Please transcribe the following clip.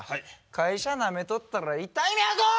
会社なめとったら痛い目遭うぞ！